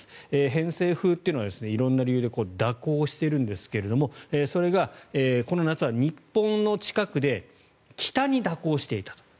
偏西風というのは色んな理由で蛇行しているんですがそれがこの夏は日本の近くで北に蛇行していたと。